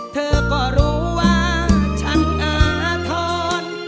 เธอก็รู้ว่าฉันอาธรณ์